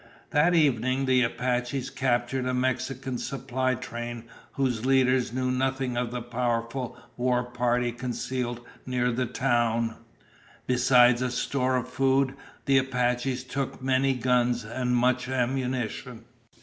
That evening the Apaches captured a Mexican supply train whose leaders knew nothing of the powerful war party concealed near the town. Besides a store of food, the Apaches took many guns and much ammunition.